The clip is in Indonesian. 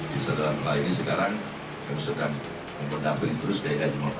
di sedang melayani sekarang yang sedang memperdampingi terus daya daya jumat